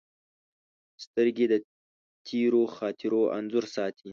سترګې د تېرو خاطرو انځور ساتي